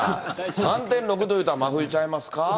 ３．６度いうたら真冬ちゃいますか？